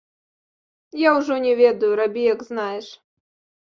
Я ўжо не ведаю, рабі як знаеш.